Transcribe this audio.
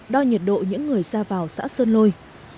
đo nhiệt độ những người ra vào xã sơn lôi